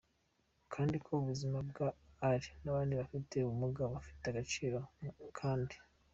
kandi ko ubuzima bwa Eli nabandi bafite ubumuga, bafite agaciro kandi.